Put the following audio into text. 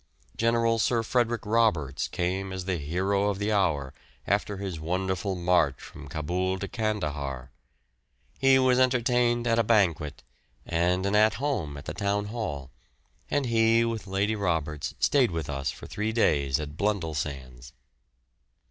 General Sir Frederick Roberts came as the hero of the hour after his wonderful march from Cabul to Candahar. He was entertained at a banquet, and an At Home at the Town Hall, and he with Lady Roberts stayed with us for three days at Blundellsands.